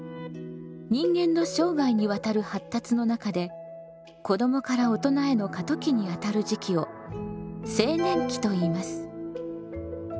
人間の生涯にわたる発達の中で子どもから大人への過渡期にあたる時期を青年期といいます。